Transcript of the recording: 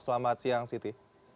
selamat siang siti